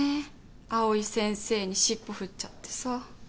藍井先生に尻尾振っちゃってさ。